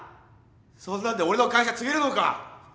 そんなんで俺の会社継げるのか？